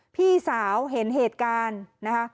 พี่สาวเห็นเหตุการณ์นะคะ